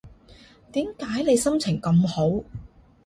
點解你心情咁好